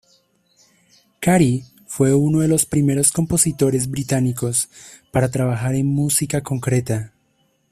Cary fue uno de los primeros compositores británicos para trabajar en música concreta.